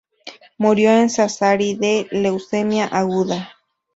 Murió en Sassari de leucemia aguda.